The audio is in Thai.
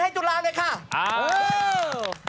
๑๒๓อ้าวจุลาน่ารัก